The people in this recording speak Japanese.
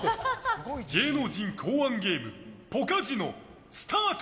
芸能人考案ゲームポカジノスタート！